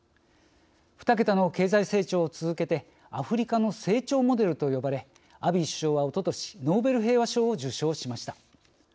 ２桁の経済成長を続けてアフリカの成長モデルと呼ばれアビー首相はおととしノーベル平和賞を受賞しました。